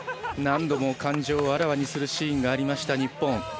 何度も感情をあらわにするシーンがありました、日本。